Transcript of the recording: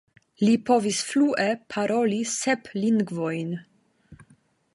Li povis flue paroli sep lingvojn.